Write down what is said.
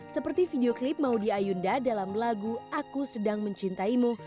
seperti video klip maudie ayunda dalam lagu aku sedang mencintaimu